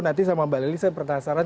nanti sama mbak lili saya penasaran